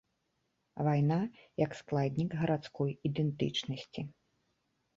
Вайна як складнік гарадской ідэнтычнасці.